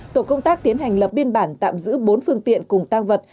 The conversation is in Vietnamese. tổ công tác tiến hành lập biên bản tạm giữ bốn phương tiện cùng tăng vật